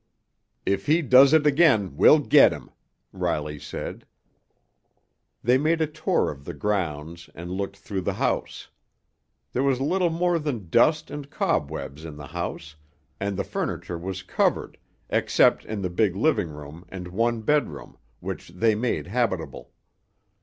"If he does it again we'll get him!" Riley said. They made a tour of the grounds and looked through the house. There was little more than dust and cobwebs in the house, and the furniture was covered, except in the big living room and one bedroom, which they made habitable.